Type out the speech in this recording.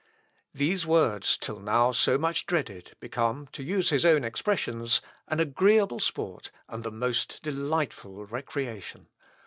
These words, till now so much dreaded, become, to use his own expressions, "an agreeable sport, and the most delightful recreation.